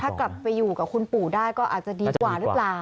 ถ้ากลับไปอยู่กับคุณปู่ได้ก็อาจจะดีกว่าหรือเปล่า